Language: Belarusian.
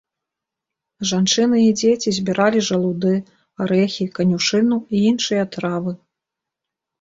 Жанчыны і дзеці збіралі жалуды, арэхі, канюшыну і іншыя травы.